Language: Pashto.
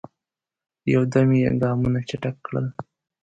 یو دم یې ګامونه چټک کړل.